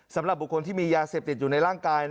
สำหรับบุคคลที่มียาเสพติดอยู่ในร่างกาย